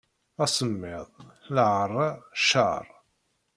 Asemmiḍ, leɛra, cceṛ.